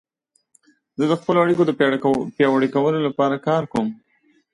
زه د خپلو اړیکو د پیاوړي کولو لپاره کار کوم.